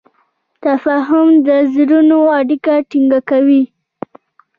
تفاهم د زړونو اړیکه ټینګه کوي.